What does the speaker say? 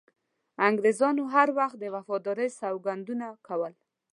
انګریزانو هر وخت د وفادارۍ سوګندونه کول.